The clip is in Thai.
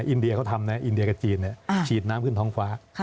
อินเดียเขาทำนะอินเดียกับจีนฉีดน้ำขึ้นท้องฟ้า